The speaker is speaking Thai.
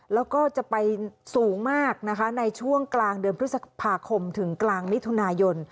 แล้วก็จะไปสูงมากนะคะในช่วงกลางเดือนพฤษภาคมถึงกลางมิถุนายน